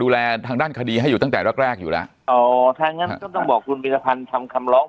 ดูแลทางด้านคดีให้อยู่ตั้งแต่แรกแรกอยู่แล้วอ๋อถ้างั้นก็ต้องบอกคุณพิธภัณฑ์ทำคำร้อง